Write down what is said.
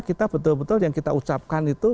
kita betul betul yang kita ucapkan itu